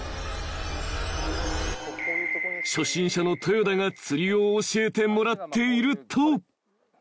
［初心者のトヨダが釣りを教えてもらっていると］